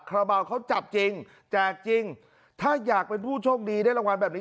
ราบาลเขาจับจริงแจกจริงถ้าอยากเป็นผู้โชคดีได้รางวัลแบบนี้